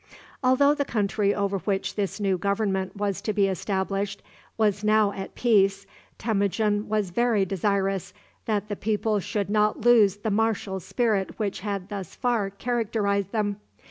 Although the country over which this new government was to be established was now at peace, Temujin was very desirous that the people should not lose the martial spirit which had thus far characterized them.